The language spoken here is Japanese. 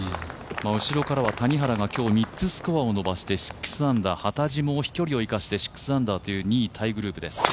後ろからは谷原が３つスコアを伸ばして６アンダー幡地も伸ばして６アンダー２位タイグループです。